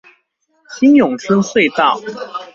新永春隧道